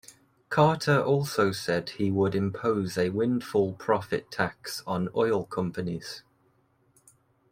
Carter also said he would impose a windfall profit tax on oil companies.